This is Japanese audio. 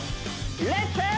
レッツ！